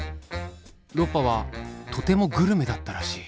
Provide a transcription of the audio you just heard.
ロッパはとてもグルメだったらしい。